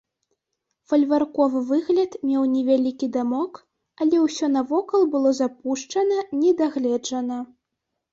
Фальварковы выгляд меў невялікі дамок, але ўсё навокал было запушчана, не дагледжана.